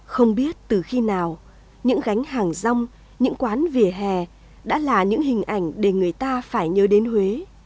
không biết từ khi nào những gánh hàng rong những quán vỉa hè đã là những hình ảnh để người ta phải nhớ đến huế